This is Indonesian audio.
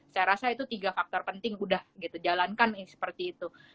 saya rasa itu tiga faktor penting udah gitu jalankan seperti itu